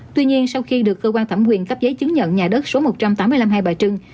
tuy nhiên sau khi được cơ quan thẩm quyền cấp giấy chứng nhận nhà đất số một trăm tám mươi năm hai bà trưng